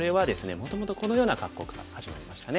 もともとこのような格好から始まりましたね。